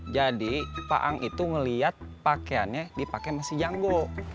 jadi paang itu ngeliat pakaiannya dipakai sama si janggo